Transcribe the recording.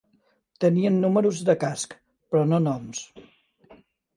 Tenien números de casc, però no noms.